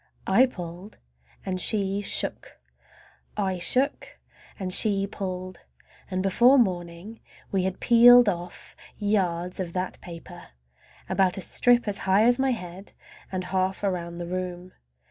I pulled and she shook, I shook and she pulled, and before morning we had peeled off yards of that paper. A strip about as high as my head and half around the room.